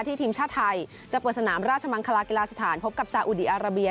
ทีมชาติไทยจะเปิดสนามราชมังคลากีฬาสถานพบกับซาอุดีอาราเบีย